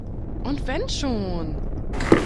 Und wenn schon!